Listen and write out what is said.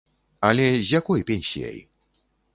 Але з якой пенсіяй?